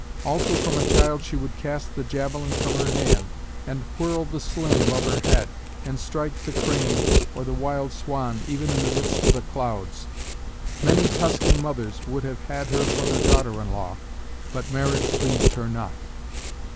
Also from a child she would cast the javelin from her hand, and whirl the sling above her head, and strike the crane or the wild swan even in the midst of the clouds. Many Tuscan mothers would have had her for their daughter in law, but marriage pleased her not.